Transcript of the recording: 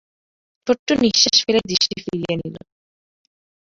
ছোট্ট নিঃশ্বাস ফেলে দৃষ্টি ফিরিয়ে নিল।